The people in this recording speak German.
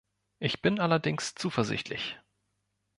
Ich bin allerdings zuversichtlich.